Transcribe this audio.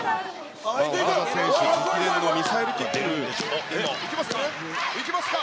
オカダ選手直伝のミサイルキック、いきますか？